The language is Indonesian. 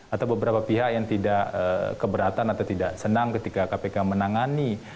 atau beberapa pihak yang tidak keberatan atau tidak senang ketika kpk menangani